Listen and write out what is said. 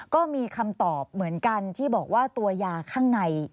ก็มีคำตอบเหมือนกันที่บอกว่าตัวยาข้างใน